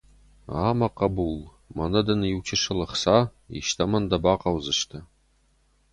Гъа, мӕ хъӕбул, мӕнӕ дын иу чысыл ӕхца, истӕмӕн дӕ бахъӕудзысты!